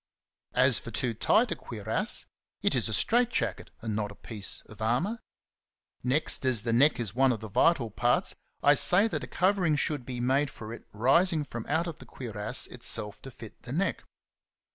As for too tight a cuirass, it is a strait jacket and not a piece of armour. Next, as the neck is one of the vital parts, I say that a covering should be made for it rising out of the cuirass itself to fit the neck.